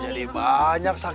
didi tadi kesikluk